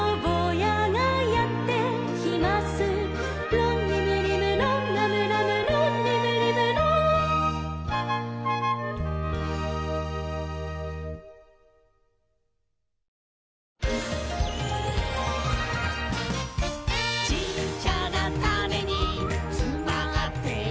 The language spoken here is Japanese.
「ロンリムリムロンラムラムロンリムリムロン」「ちっちゃなタネにつまってるんだ」